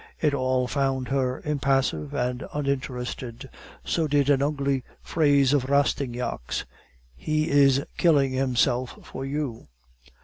It all found her impassive and uninterested; so did an ugly phrase of Rastignac's, 'He is killing himself for you.